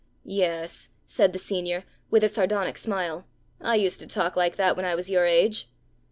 'Yes,' said the senior, with a sardonic smile, 'I used to talk like that when I was your age!'